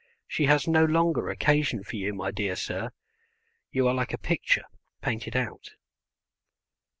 She has no longer occasion for you, my dear sir; you are like a picture painted out."